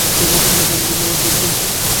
তাহলে জানাযার নামায পড়তেন।